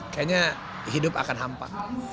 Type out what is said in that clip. kayaknya hidup akan hampa